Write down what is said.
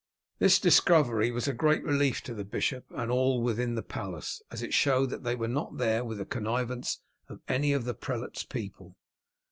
This discovery was a great relief to the bishop and all within the palace, as it showed that they were not there with the connivance of any of the prelate's people.